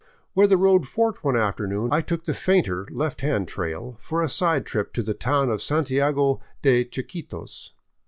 Where the road forked one afternoon I took the fainter, left hand trail for a side trip to the town of Santiago de Chiquitos.